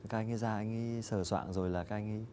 các anh ấy ra anh ấy sờ soạn rồi là các anh ấy